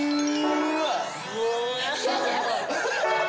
うわ！